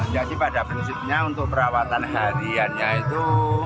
jadi pada prinsipnya untuk perawatan hariannya itu